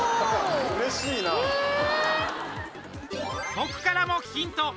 僕からもヒント。